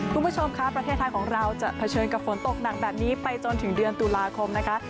คุณผู้ชมคะประเทศไทยของเราจะเผชิญกับฝนตกหนักแบบนี้ไปจนถึงเดือนตุลาคมนะคะ